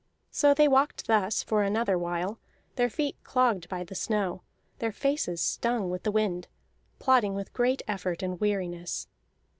So they walked thus for another while, their feet clogged by the snow, their faces stung with the wind, plodding with great effort and weariness.